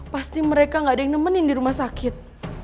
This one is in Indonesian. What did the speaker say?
pasti mereka gak ada yang nemenin di rumah sakit